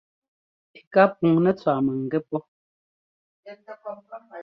Ɛ ká puŋ nɛ́ tswá maŋgɛ́ pɔ́.